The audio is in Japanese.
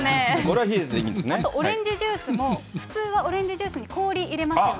あと、オレンジジュースも、普通はオレンジジュースに氷入れますよね。